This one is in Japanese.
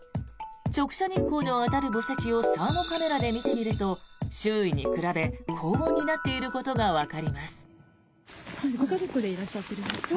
直射日光の当たる墓石をサーモカメラで見てみると周囲に比べ高温になっていることがわかります。